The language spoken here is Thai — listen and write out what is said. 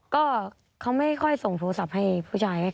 ก็เขาไม่ค่อยส่งโทรศัพท์ให้ผู้ชาย